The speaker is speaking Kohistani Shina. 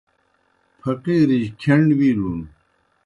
پھقِیرِجیْ کھیݨ وِیلُن۔